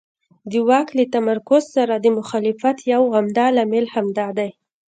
د واک له تمرکز سره د مخالفت یو عمده لامل همدا دی.